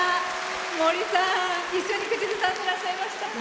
森さん、一緒に口ずさんでらっしゃいました。